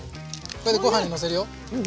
これでご飯にのせるよ。